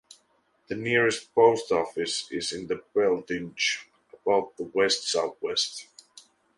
The nearest post office is in Beltinge, about to the west-southwest.